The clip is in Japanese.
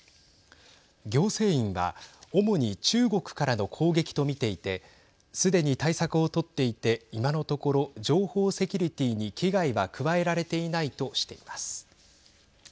行政院は主に中国からの攻撃と見ていてすでに対策を取っていて今のところ情報セキュリティーに危害は加えられていないとしています。